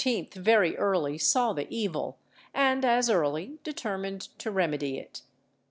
very early saw the evil, and as early determined to remedy it.